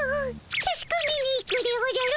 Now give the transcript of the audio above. たしかめに行くでおじゃる。